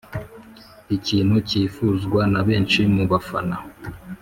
ikintu cyifuzwa na benshi mu bafana.